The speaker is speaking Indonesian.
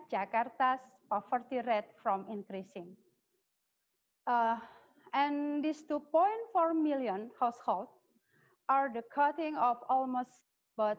ya kita bisa melihat anda kita bisa melihat slide dan anda juga